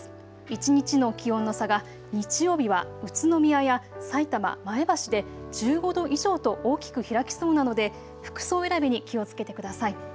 一日の気温の差が日曜日は宇都宮やさいたま、前橋で１５度以上と大きく開きそうなので服装選びに気をつけてください。